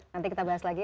nanti kita bahas lagi